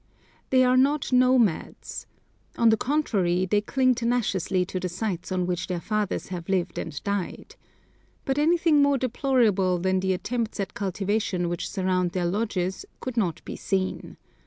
They are not nomads. On the contrary, they cling tenaciously to the sites on which their fathers have lived and died. But anything more deplorable than the attempts at cultivation which surround their lodges could not be seen.